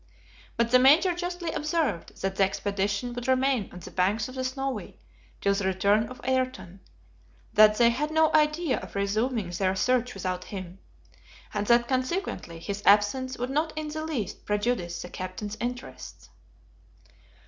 But the Major justly observed that the expedition would remain on the banks of the Snowy till the return of Ayrton, that they had no idea of resuming their search without him, and that consequently his absence would not in the least prejudice the Captain's interests.